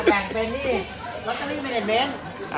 แบ่งเป็นรอเตอรี่เมนเมน